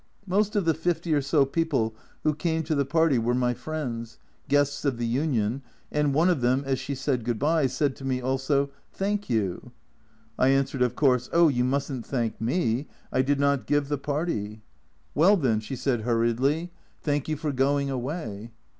Most of the fifty or so people who came to the party were my friends, guests of the Union, and one of them, as she said " Good bye," said to me also "Thank you." I answered, of course, "Oh, you mustn't thank me, I did not give the party." " Well, 260 A Journal from Japan then," she said hurriedly, " thank you for going away."